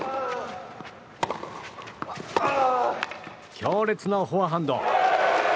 強烈なフォアハンド！